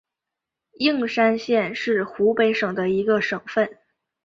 应山县是湖北省的一个县份。